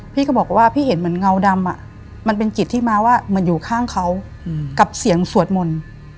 พี่ก็บอกว่าพี่เห็นเหมือนเงาดำมันเป็นจิตที่มาว่าเหมือนอยู่ข้างเขากับเสียงสวดมนต์